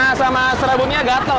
karena sama serabutnya gatel